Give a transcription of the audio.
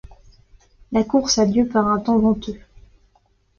La course a lieu par un temps venteux.